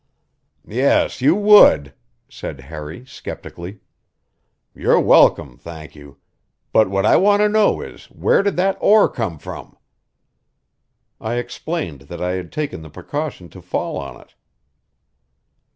"Yes, you would," said Harry skeptically. "You're welcome, thank you. But what I want to know is, where did that oar come from?" I explained that I had taken the precaution to fall on it.